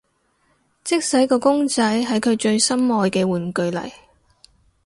即使個公仔係佢最心愛嘅玩具嚟